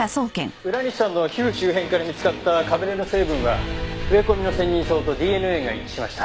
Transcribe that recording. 浦西さんの皮膚周辺から見つかったかぶれの成分は植え込みのセンニンソウとＤＮＡが一致しました。